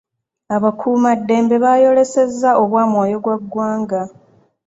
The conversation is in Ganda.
Abakuumaddembe baayolesezza obwa mwoyogwaggwanga.